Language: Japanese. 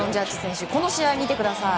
この試合、見てください。